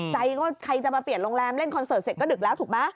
ใจก็ใครจะมาเปลี่ยนโรงแรมเล่นคอนเสิร์ตเสร็จก็ดึกแล้วถูกไหม